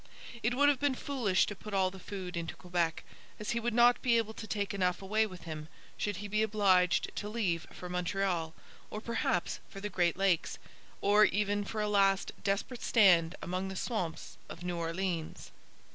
It would have been foolish to put all the food into Quebec, as he would not be able to take enough away with him, should he be obliged to leave for Montreal or perhaps for the Great Lakes, or even for a last desperate stand among the swamps of New Orleans.